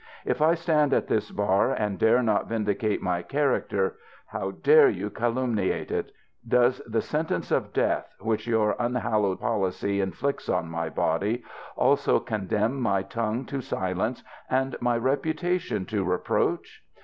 If I stand at this bar and dare not vindi cate my character, how dare you calumniate it 1 Does the sen tence of death which your unhallowed policy inflicts on my body, also condemn my tongue to silence and my reputation to re OF MR. EMMET. 367 proach